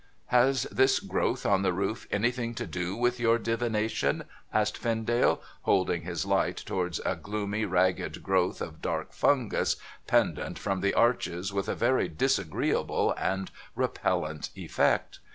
' Has this growth on the roof anything to do with your divination ?' asked Vendale, holding his light towards a gloomy ragged growth of dark fungus, pendent from the arches with a very disagreeable and repellent effect.